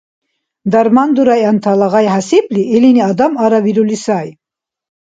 Дарман дурайантала гъай хӀясибли, илини адам аравирули сай